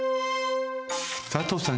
佐藤さん